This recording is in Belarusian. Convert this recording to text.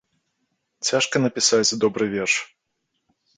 Цяжка напісаць добры верш.